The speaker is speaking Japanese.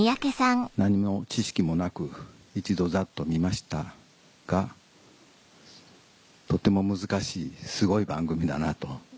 何の知識もなく一度ざっと見ましたがとても難しいすごい番組だなと。